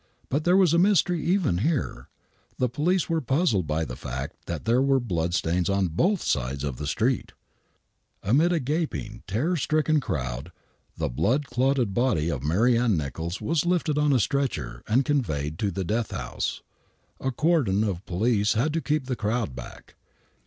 But there was a mystery even here. The police were puzzled by the fact that there were blood stains on both sides of the street. Amid a gaping, terror stricken crowd, the blood clotted body of Mary Ann Nichols was lifted on a stretcher and conveyed to the idte 1U^l^. ■•■•UMriaMM .;:3(4'».4^ 28 THE WHITECHAPEL MURDERS deach house. A cordon of police had to keep the crowd back.